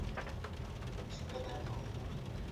پټه خبره به په پای کې د کلي هرې حجرې ته ورسېږي.